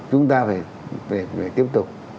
chúng ta phải tiếp tục